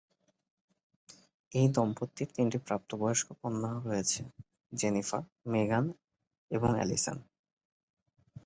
এই দম্পতির তিনটি প্রাপ্তবয়স্ক কন্যা রয়েছে: জেনিফার, মেগান এবং অ্যালিসন।